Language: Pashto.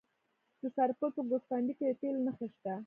د سرپل په ګوسفندي کې د تیلو نښې شته.